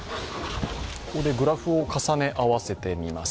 ここでグラフを重ね合わせてみます。